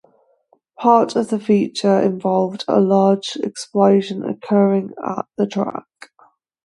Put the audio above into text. Part of the feature involved a large explosion occurring at the track.